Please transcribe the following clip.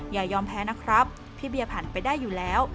อย่ายอมแพ้นะครับพี่เบียผ่านไปได้อยู่แล้ว